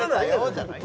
じゃない